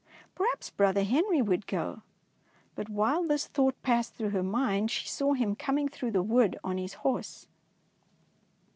Perhaps brother Henry would go ; but while this thought passed through her mind, she saw him coming through the wood on his horse.